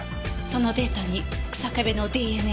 そのデータに日下部のＤＮＡは？